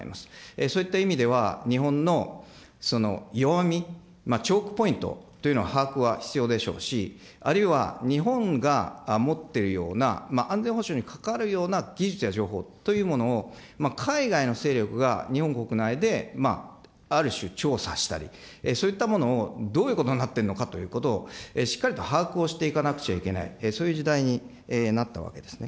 そういった意味では、日本の弱み、チョークポイント、把握は必要でしょうし、あるいは日本が持っているような、安全保障に関わるような技術や情報というものを、海外の勢力が日本国内である種、調査したり、そういったものをどういうことになってるのかということを、しっかりと把握をしていかなくちゃいけない、そういう時代になったわけですね。